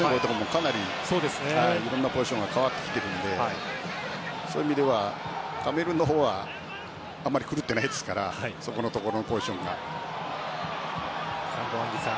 かなりいろんなポジションが変わってきてるのでそういう意味ではカメルーンのほうはあまり狂ってないですからそこのポジションが。